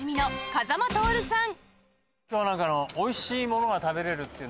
風間さん